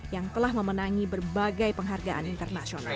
yang telah memenangi berbagai penghargaan internasional